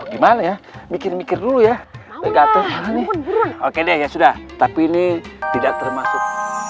gimana ya mikir mikir dulu ya negatif oke deh ya sudah tapi ini tidak termasuk